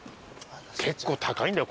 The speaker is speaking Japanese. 結構高いんだよ